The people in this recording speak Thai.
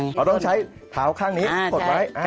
เขาต้องใช้เท้าข้างนี้กดไว้